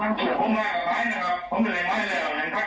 เจรจาต่อรองเงินไป๕ล้านแลกกับการปล่อยตัว